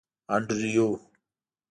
انډریو.